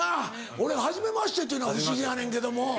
俺はじめましてというのが不思議やねんけども。